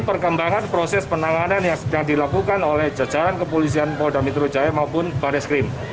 perkembangan proses penanganan yang dilakukan oleh jajaran kepolisian polda metro jaya maupun baris krim